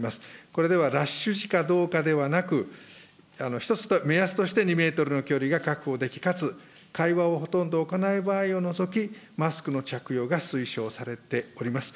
これではラッシュ時かどうかではなく、一つの目安として２メートルの距離が確保でき、かつ会話をほとんど行わない場合を除き、マスクの着用が推奨されております。